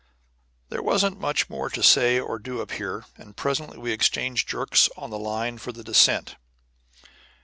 There wasn't much more to say or do up here, and presently we exchanged jerks on the line for the descent.